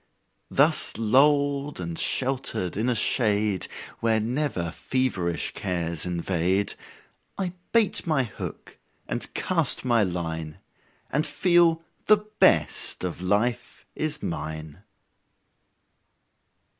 Thus lulled and sheltered in a shade Where never feverish cares invade, I bait my hook and cast my line, And feel the best of life is mine.